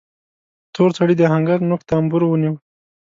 تور سړي د آهنګر نوک ته امبور ونيو.